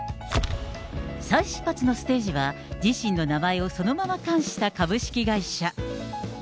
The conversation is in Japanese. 再出発のステージは、自身の名前をそのまま冠した株式会社。